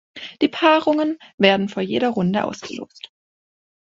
Die Paarungen werden vor jeder Runde ausgelost.